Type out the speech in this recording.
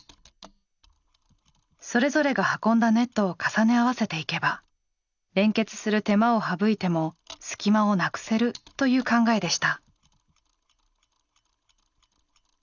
それぞれが運んだネットを重ね合わせていけば連結する手間を省いても隙間をなくせるという考えでした。